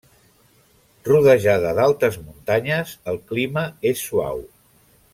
Rodejada d'altes muntanyes el clima és suau.